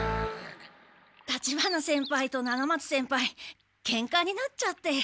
立花先輩と七松先輩ケンカになっちゃって。